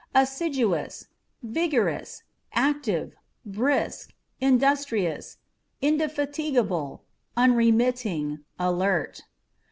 Assiduous â€" vigorous, active, brisk, industrious, indefatigable, unremitting, alert.